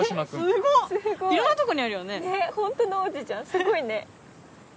すごいね。